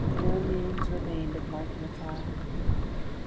No means remained of lighting a fire.